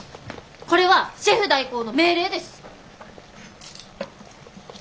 これはシェフ代行の命令です！